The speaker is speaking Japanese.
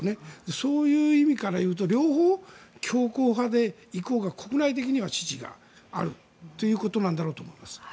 そういう意味から言うと両方強硬派で行こうと国内派では支持があるということだと思います。